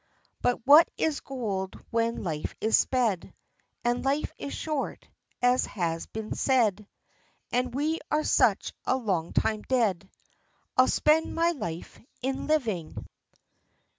But what is gold when life is sped, And life is short, as has been said, And we are such a long time dead, I'll spend my life in living.